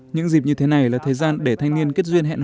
những dịp như thế này là thời gian để thanh niên kết duyên hẹn